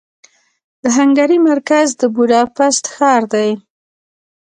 د هنګري مرکز د بوداپست ښار دې.